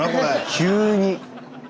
急に。